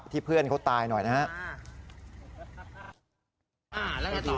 ที่เพื่อนเขาตายหน่อยนะฮะอ่าแล้วก็ตอบ